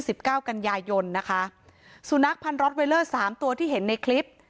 สิบเก้ากันยายนนะคะสุนัขพันธ์สามตัวที่เห็นในคลิป